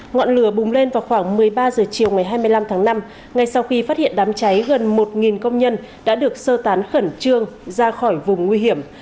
ngọn lửa bùng lên vào khoảng một mươi ba h chiều ngày hai mươi năm tháng năm ngay sau khi phát hiện đám cháy gần một công nhân đã được sơ tán khẩn trương ra khỏi vùng nguy hiểm